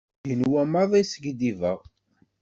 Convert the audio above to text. Yenwa maḍi skiddibeɣ.